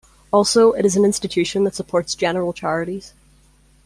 Also, it is an institution that supports general charities.